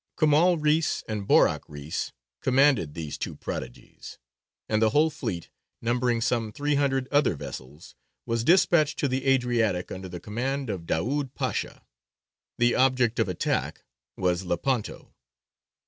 Kemāl Reïs and Borāk Reïs commanded these two prodigies, and the whole fleet, numbering some three hundred other vessels, was despatched to the Adriatic under the command of Daūd Pasha. The object of attack was Lepanto.